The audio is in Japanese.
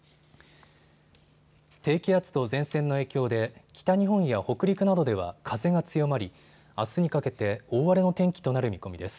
低気圧と前線の影響で北日本や北陸などでは風が強まりあすにかけて大荒れの天気となる見込みです。